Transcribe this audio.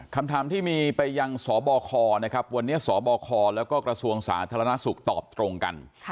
คำถามที่มีไปยังสบคนะครับวันนี้สบคแล้วก็กระทรวงสาธารณสุขตอบตรงกัน